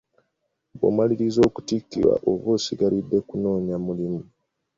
Bw’omaliriza okutikkirwa oba osigalidde kunoonya mulimu.